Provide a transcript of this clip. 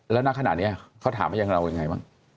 แล้วหน้าขนาดนี้เขาถามให้เรายังไงบ้าง